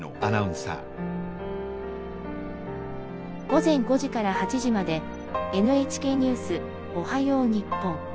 「午前５時から８時まで『ＮＨＫニュースおはよう日本』。